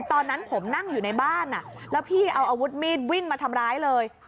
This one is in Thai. ตอนนั้นผมนั่งอยู่ในบ้านแล้วพี่เอาอาวุธมีดวิ่งมาทำร้ายเลย